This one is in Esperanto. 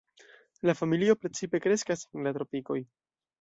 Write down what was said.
La familio precipe kreskas en la tropikoj.